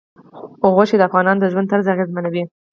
غوښې د افغانانو د ژوند طرز اغېزمنوي.